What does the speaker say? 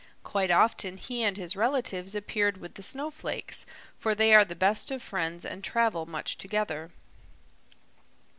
Quite often he and his relatives appeared with the Snowflakes, for they are the best of friends and travel much together.